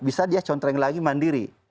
bisa dia contoh yang lagi mandiri